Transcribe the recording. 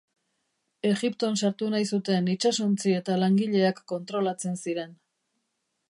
Egipton sartu nahi zuten itsasontzi eta langileak kontrolatzen ziren.